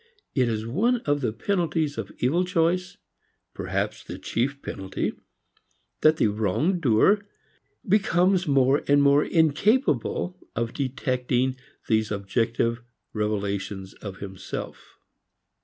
It is one of the penalties of evil choice, perhaps the chief penalty, that the wrong doer becomes more and more incapable of detecting these objective revelations of himself.